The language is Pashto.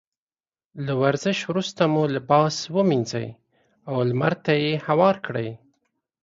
له ورزش وروسته مو لباس ومينځئ او لمر ته يې هوار کړئ.